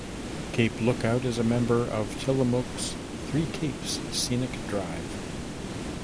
Cape Lookout is a member of Tillamook's Three Capes Scenic Drive.